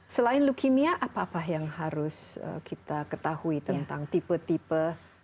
selain leukemia apa apa yang harus kita ketahui tentang tipe tipe